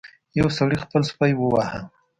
یو سړي خپل سپی وواهه.